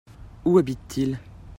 Où habitent-ils ?